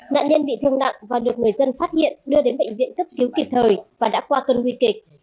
nạn nhân bị thương nặng và được người dân phát hiện đưa đến bệnh viện cấp cứu kịp thời và đã qua cơn nguy kịch